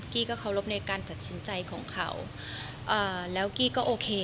ี้ก็เคารพในการตัดสินใจของเขาอ่าแล้วกี้ก็โอเค